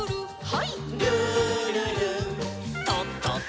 はい。